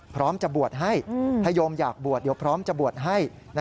พร้อมจะบวชให้ถ้าโยมอยากบวชเดี๋ยวพร้อมจะบวชให้